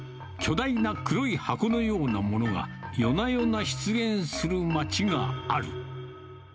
巨大な黒い箱のようなモノが夜な夜な出現する街がある。